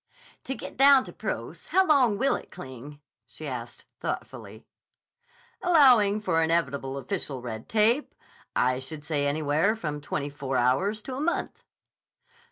"To get down to prose, how long will it cling?" she asked thoughtfully. "Allowing for inevitable official red tape, I should say anywhere from twenty four hours to a month."